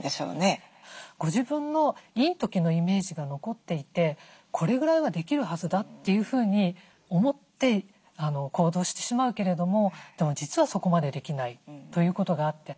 ご自分のいい時のイメージが残っていてこれぐらいはできるはずだというふうに思って行動してしまうけれどもでも実はそこまでできないということがあって。